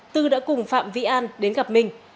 tư đã cùng phạm vĩ an đến gặp minh